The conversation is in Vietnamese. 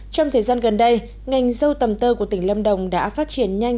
trong thời gian gần đây ngành dâu tầm tơ của tỉnh lâm đồng đã phát triển nhanh